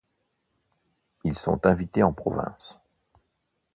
Ils sont invités en province.